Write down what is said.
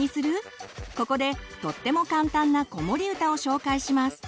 ここでとっても簡単な子守歌を紹介します。